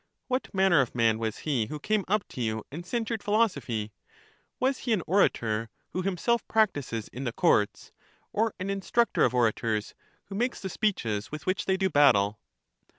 What manner of man was he who came up to you and censured philosophy; was he an orator who himself practises in the courts, or an instructor of orators, who makes the speeches with which they do battle?